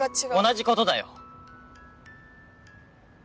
同じことだよ。